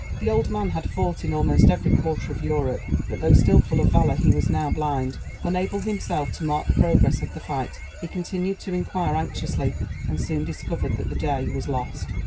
The old man had fought in almost every quarter of Europe; but, though still full of valor, he was now blind. Unable himself to mark the progress of the fight, he continued to inquire anxiously, and soon discovered that the day was lost.